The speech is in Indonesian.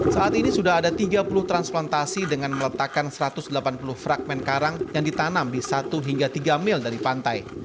saat ini sudah ada tiga puluh transplantasi dengan meletakkan satu ratus delapan puluh fragment karang yang ditanam di satu hingga tiga mil dari pantai